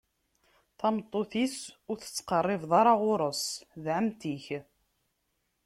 Tameṭṭut-is, ur tettqerribeḍ ara ɣur-s: D ɛemmti-k.